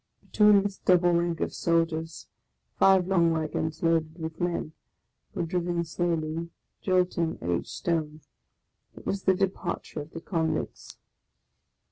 Between this double rank of soldiers, five long wagons, loaded with men, were driven slowly jolting at each stone; it was the departure of the con victs.